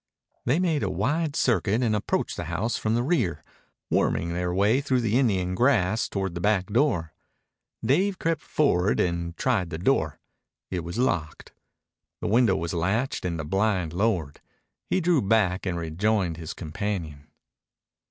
They made a wide circuit and approached the house from the rear, worming their way through the Indian grass toward the back door. Dave crept forward and tried the door. It was locked. The window was latched and the blind lowered. He drew back and rejoined his companion.